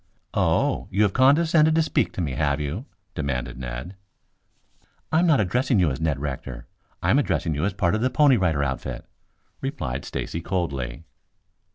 "Oh, you have condescended to speak to me, have you?" demanded Ned. "I am not addressing you as Ned Rector. I am addressing you as a part of the Pony Rider outfit," replied Stacy coldly.